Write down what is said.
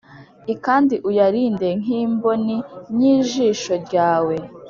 l kandi uyarinde nk imbonim y ijisho ryawe